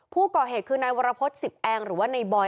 ผู้ก่อเหตุคือนายวรพฤษ๑๐แองหรือว่าในบอย